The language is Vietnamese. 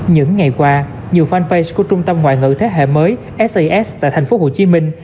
những ngày qua nhiều fanpage của trung tâm ngoại ngữ thế hệ mới sas tại thành phố hồ chí minh